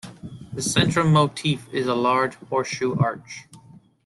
The central motif is a large horseshoe arch.